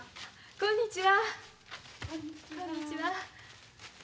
こんにちは。